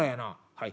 「はい。